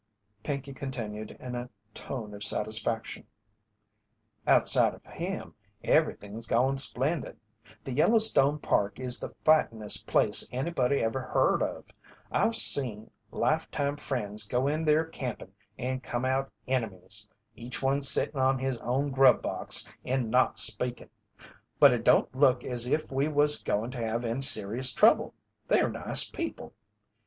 Pinkey continued in a tone of satisfaction: "Outside of him, everything's goin' splendid. The Yellowstone Park is the fightin'est place anybody ever heard of. I've seen life time friends go in there campin' and come out enemies each one sittin' on his own grub box and not speakin'. But it don't look as if we was goin' to have any serious trouble they're nice people."